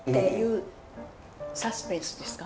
サスペンスですか？